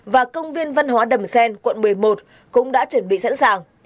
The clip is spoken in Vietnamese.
và công viên văn hóa đầm xen quận một mươi một cũng đã chuẩn bị sẵn sàng